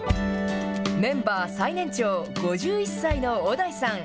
メンバー最年長５１歳の小田井さん。